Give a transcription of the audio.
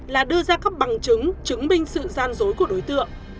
là đưa ra các bằng chứng chứng minh sự gian dối của đối tượng